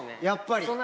やっぱり。